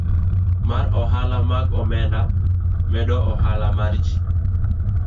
mar ohala mag omenda, medo ohala mar ji,